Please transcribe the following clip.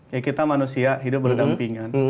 ya kita manusia hidup berdampingan